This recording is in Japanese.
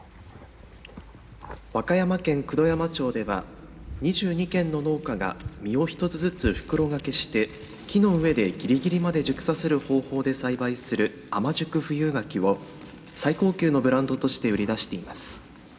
和歌山県九度山町では２２軒の農家が実を一つずつ袋掛けして木の上でぎりぎりまで熟させる方法で栽培する甘熟富有柿を最高級のブランドとして売り出しています。